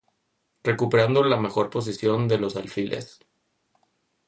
Recuperando la mejor posición de los alfiles.